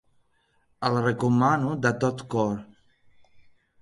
El recomano de tot cor.